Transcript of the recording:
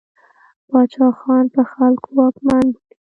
پاچا ځان په خلکو واکمن بولي.